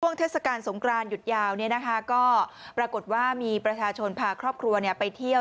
เทศกาลสงครานหยุดยาวก็ปรากฏว่ามีประชาชนพาครอบครัวไปเที่ยว